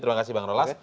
terima kasih bang rolas